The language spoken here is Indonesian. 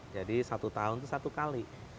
jadi satu tahun itu satu kali